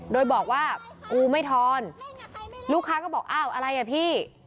โดยบอกว่ากูไม่ทอนลูกค้าก็บอกอ้าวอะไรอ่ะพี่